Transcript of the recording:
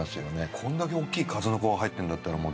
これだけ大きい数の子が入ってるんだったらもう。